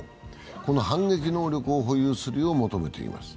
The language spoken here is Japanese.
この反撃能力を保有するよう求めています。